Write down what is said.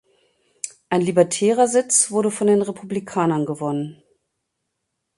Ein libertärer Sitz wurde von den Republikanern gewonnen.